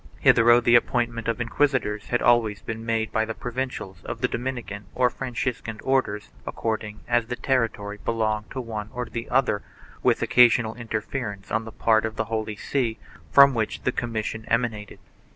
Hitherto the appointment of inquisitors had always been made by the Provincials of the Dominican or Franciscan Orders according as the territory belonged to one or to the other, with occasional interference on the part of the Holy See, from which the commissions emanated.